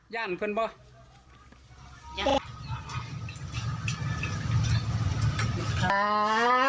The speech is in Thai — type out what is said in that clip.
ย่านขึ้นเปล่า